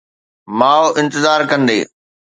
ماءُ انتظار ڪندي